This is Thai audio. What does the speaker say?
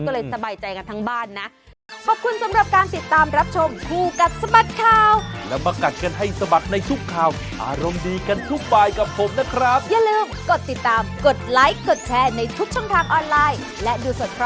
ก็เลยสบายใจกันทั้งบ้านนะ